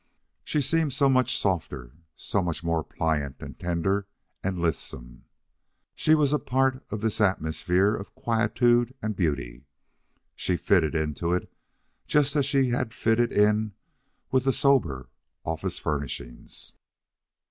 She seemed so much softer, so much more pliant, and tender, and lissome. She was a part of this atmosphere of quietude and beauty. She fitted into it just as she had fitted in with the sober office furnishings.